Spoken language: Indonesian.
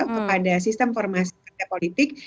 kepada sistem formasi partai politik